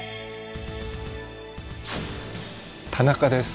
田中です。